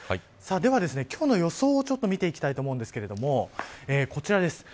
では今日の予想を見ていきたいと思うんですけれどもこちらです。